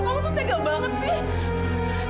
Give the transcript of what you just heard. aku tuh tega banget sih